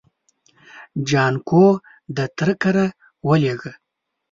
جانکو د تره کره ولېږه.